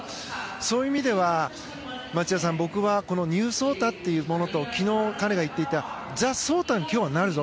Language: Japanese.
そういう意味では町田さん僕はこのニュー草太というものと昨日彼が言っていたザ・草太に今日はなるぞ。